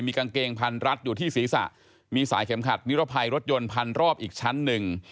กางเกงพันรัดอยู่ที่ศีรษะมีสายเข็มขัดนิรภัยรถยนต์พันรอบอีกชั้นหนึ่ง